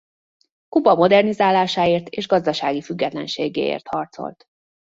Kuba modernizálásáért és gazdasági függetlenségéért harcolt.